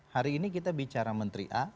hari ini kita bicara menteri a